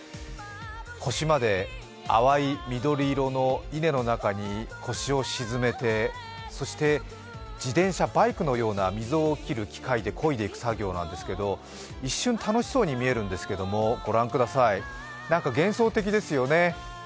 腰まで淡い緑色の稲の中に腰を沈めて、そして自転車、バイクのような溝を切る機械でこいでいく作業なんですけど、一瞬楽しそうに見えるんですけど、ご覧ください、幻想的ですよね。